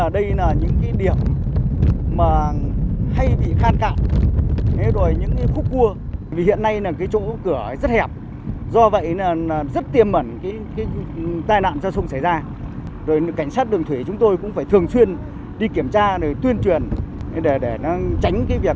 tuyên truyền để tránh việc tai đạn thông xảy ra